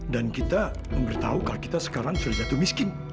dan kita memberitahu kalau kita sekarang sudah jatuh miskin